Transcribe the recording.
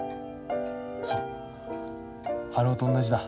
そう春男と同じだ。